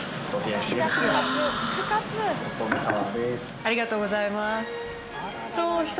ありがとうございます。